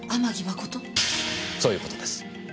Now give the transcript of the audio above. そういう事です。